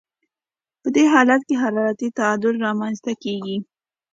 په دې حالت کې حرارتي تعادل رامنځته کیږي.